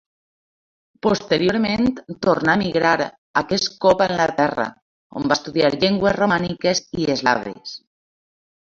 Posteriorment tornà a emigrar, aquest cop a Anglaterra, on va estudiar llengües romàniques i eslaves.